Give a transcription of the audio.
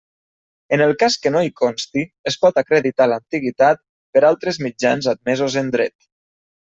En el cas que no hi consti, es pot acreditar l'antiguitat per altres mitjans admesos en dret.